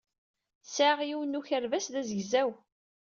Sɛiɣ yiwen n ukerbas d azegzaw.